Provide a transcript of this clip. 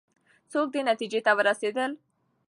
څوک دې نتیجې ته ورسېدل؟